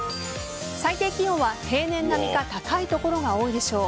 最低気温は平年並みか高い所が多いでしょう。